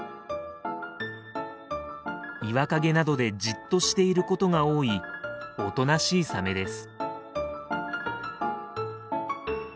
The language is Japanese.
岩陰などでじっとしていることが多いおとなしいサメです。